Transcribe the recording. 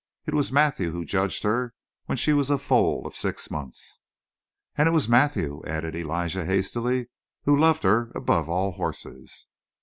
It was Matthew who judged her when she was a foal of six months." "And it was Matthew," added Elijah hastily, "who loved her above all horses!"